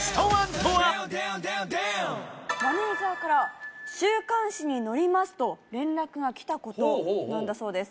マネージャーから週刊誌に載りますと連絡が来たことなんだそうです